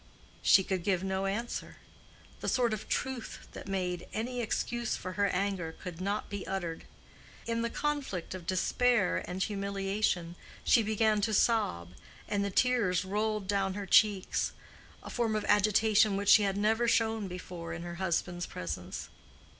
She could give no answer. The sort of truth that made any excuse for her anger could not be uttered. In the conflict of despair and humiliation she began to sob, and the tears rolled down her cheeks—a form of agitation which she had never shown before in her husband's presence.